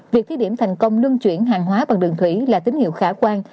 việc thí điểm thành công lân chuyển hàng hóa bằng đường thủy là tín hiệu khả quan